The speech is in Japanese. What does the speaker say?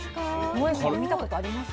もえさん見たことあります？